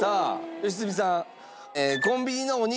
良純さん。